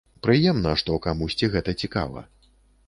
Прыемна, што камусьці гэта цікава.